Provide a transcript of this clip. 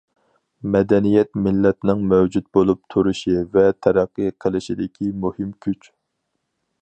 مەدەنىيەت مىللەتنىڭ مەۋجۇت بولۇپ تۇرۇشى ۋە تەرەققىي قىلىشىدىكى مۇھىم كۈچ.